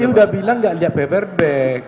saya sudah bilang enggak lihat paperback